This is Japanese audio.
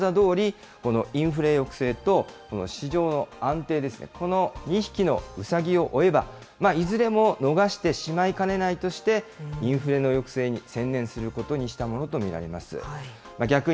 二兎を追うものは一兎も得ずのことわざどおり、このインフレ抑制と、この市場の安定ですね、この二匹の兎を追えば、いずれも逃してしまいかねないとして、インフレの抑制に専念することにしたものと見られます。